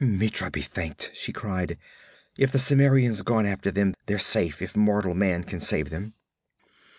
'Mitra be thanked!' she cried. 'If the Cimmerian's gone after them, they're safe if mortal man can save them!'